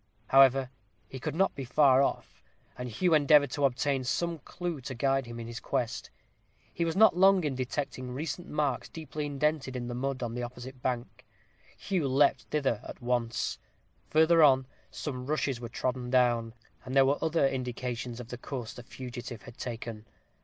However, he could not be far off, and Hugh endeavored to obtain some clue to guide him in his quest. He was not long in detecting recent marks deeply indented in the mud on the opposite bank. Hugh leaped thither at once. Further on, some rushes were trodden down, and there were other indications of the course the fugitive had taken.